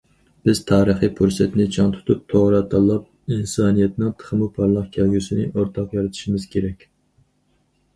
« بىز تارىخىي پۇرسەتنى چىڭ تۇتۇپ، توغرا تاللاپ، ئىنسانىيەتنىڭ تېخىمۇ پارلاق كەلگۈسىنى ئورتاق يارىتىشىمىز كېرەك».